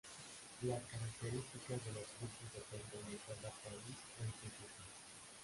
Las características de los cursos dependen de cada país o institución.